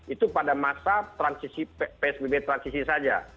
itu pada masa transisi psbb transisi saja